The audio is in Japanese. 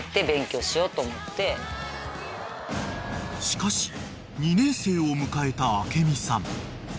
［しかし２年生を迎えた明美さん］